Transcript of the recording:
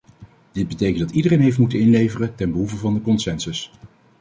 Dit betekent dat iedereen heeft moeten inleveren ten behoeve van de consensus.